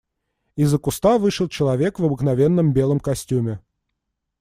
Из-за куста вышел человек в обыкновенном белом костюме.